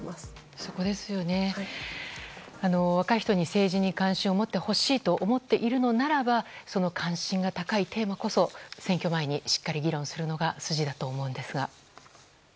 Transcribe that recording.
そこですよね、若い人に政治に関心を持ってほしいと思っているのならばその関心が高いテーマこそ選挙前にしっかり議論するのが筋だと思うのですが。